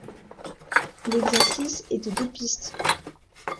L'exercice est de deux pistes.